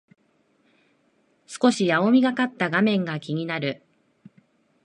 少し青みがかった画面が気になる